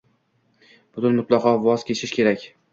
Bundan mutlaqo voz kechish kerak.